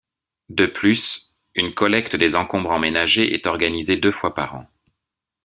De plus, une collecte des encombrants ménagers est organisée deux fois par an.